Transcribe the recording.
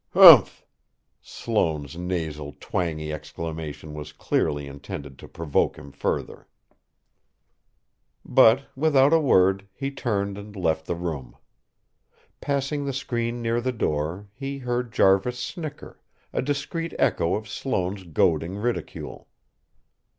"Humph!" Sloane's nasal, twangy exclamation was clearly intended to provoke him further. But, without a word, he turned and left the room. Passing the screen near the door, he heard Jarvis snicker, a discreet echo of Sloane's goading ridicule.